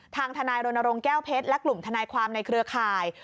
ทนายรณรงค์แก้วเพชรและกลุ่มทนายความในเครือข่าย